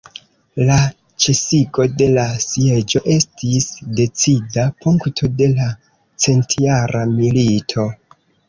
La ĉesigo de la sieĝo estis decida punkto de la centjara milito.